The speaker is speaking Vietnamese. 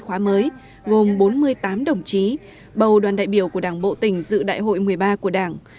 khóa mới gồm bốn mươi tám đồng chí bầu đoàn đại biểu của đảng bộ tỉnh dự đại hội một mươi ba của đảng